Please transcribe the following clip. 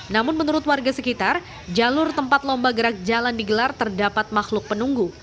namun menurut warga sekitar jalur tempat lomba gerak jalan digelar terdapat makhluk penunggu